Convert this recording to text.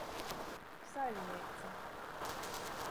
Saļneica.